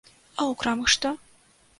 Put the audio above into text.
А ў крамах што?